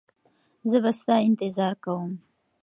زه به ستا انتظار کوم.